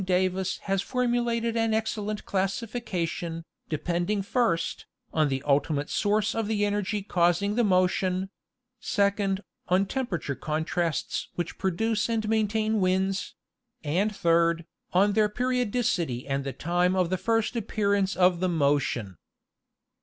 Davis has formulated an excellent classification, depending first, on the ultimate source of the energy causing the motion ; second, on temperature contrasts which produce and maintain winds; VOL. II. 4 50 National Geographic Magazine. and third, on their periodicity and the time of the first appear ance of the motion.